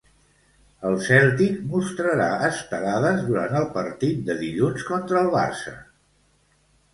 El Cèltic mostrarà estelades durant el partit de dilluns contra el Barça.